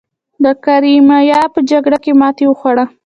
د کریمیا په جګړه کې ماتې وخوړه.